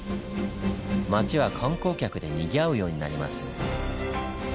町は観光客でにぎわうようになります。